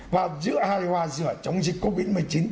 và giữa hài hòa giữa chống dịch covid một mươi chín